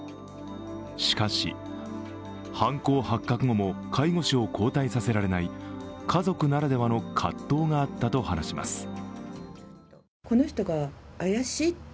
しかし、犯行発覚後も介護士を交代させられない家族ならではの葛藤があったと話します。